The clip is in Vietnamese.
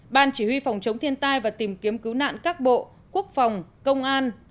ban chỉ huy phòng chống thiên tai và tìm kiếm cứu nạn các bộ quốc phòng công an